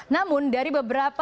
namun dari beberapa